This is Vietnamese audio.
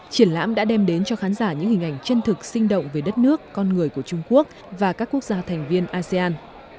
triển lãm đã đem đến cho khán giả những hình ảnh chân thực sinh động về đất nước con người của trung quốc và các quốc gia thành viên asean